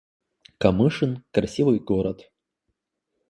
Камышин — красивый город